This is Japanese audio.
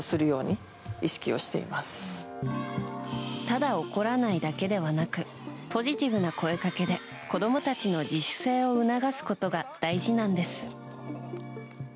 ただ、怒らないだけではなくポジティブな声掛けで子供たちの自主性を促すことが大事なんです。